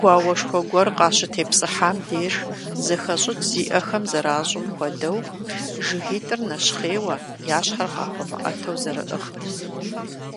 Гуауэшхуэ гуэр къащытепсыхам деж зэхэщӀыкӀ зиӀэхэм зэращӀым хуэдэу, жыгитӀыр нэщхъейуэ, я щхьэр къахуэмыӀэту зэрыӀыгът.